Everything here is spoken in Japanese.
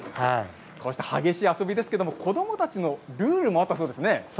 こうした激しい遊びですけども子どもたちのルールもあったそうですね。